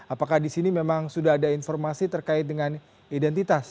apakah di sini memang sudah ada informasi terkait dengan identitas